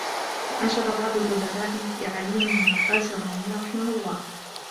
وَأَنْشَدَ بَعْضُ الْأُدَبَاءِ لِعَلِيِّ بْنِ عَبَّاسٍ الرُّومِيِّ رَحِمَهُ اللَّهُ